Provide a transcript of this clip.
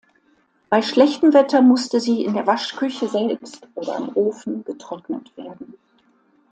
Bei schlechtem Wetter musste sie in der Waschküche selbst oder am Ofen getrocknet werden.